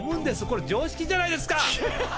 これ常識じゃないですか！